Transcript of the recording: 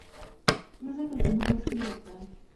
مځکه زموږ مسؤلیت ده.